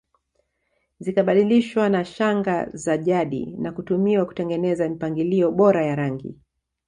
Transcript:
Zikabadilishwa na shanga za jadi na kutumiwa kutengeneza mipangilio bora ya rangi